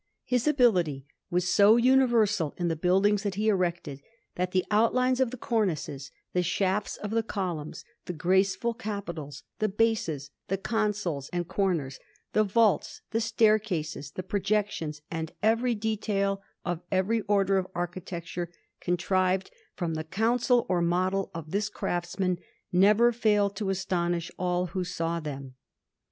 His ability was so universal in the buildings that he erected, that the outlines of the cornices, the shafts of the columns, the graceful capitals, the bases, the consoles and corners, the vaults, the staircases, the projections, and every detail of every Order of architecture, contrived from the counsel or model of this craftsman, never failed to astonish all who saw them.